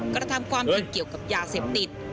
กระทำความผิดเกี่ยวกับยาเสพติด